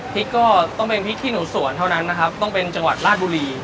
ก็ต้องเป็นพริกขี้หนูสวนเท่านั้นนะครับต้องเป็นจังหวัดราชบุรี